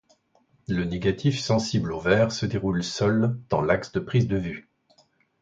Le négatif sensible au vert se déroule seul, dans l'axe de prise de vues.